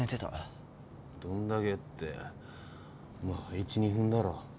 どんだけってまあ１２分だろ。